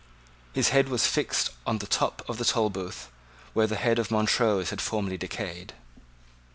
His head was fixed on the top of the Tolbooth, where the head of Montrose had formerly decayed.